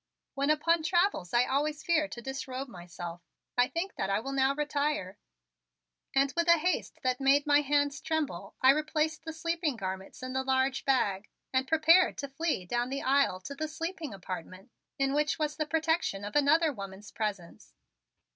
"When upon travels I always fear to disrobe myself. I think that I will now retire," and with a haste that made my hands tremble I replaced the sleeping garments in the large bag and prepared to flee down the aisle to the sleeping apartment in which was the protection of another woman's presence.